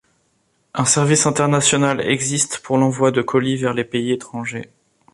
Un service international existe pour l'envoi de colis vers les pays étrangers.